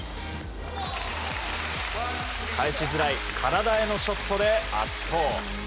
返しづらい体へのショットで圧倒。